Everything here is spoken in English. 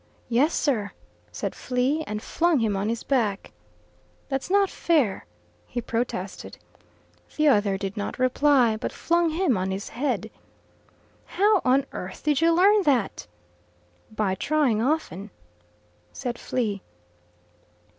"Yes, sir," said Flea, and flung him on his back. "That's not fair," he protested. The other did not reply, but flung him on his head. "How on earth did you learn that?" "By trying often," said Flea.